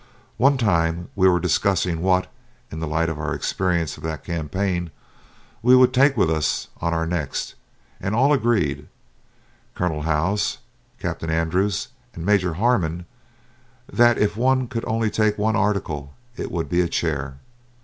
One time we were discussing what, in the light of our experience of that campaign, we would take with us on our next, and all agreed, Colonel Howze, Captain Andrews, and Major Harmon, that if one could only take one article it would be a chair.